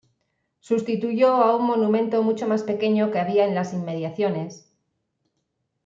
Sustituyó a un monumento mucho más pequeño que había en las inmediaciones.